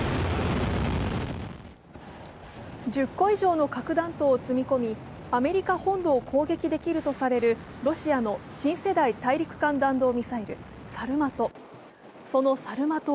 １０個以上の核弾頭を積み込みアメリカ本土を攻撃できるとされるロシアの新世代大陸間弾道ミサイル、サルマト。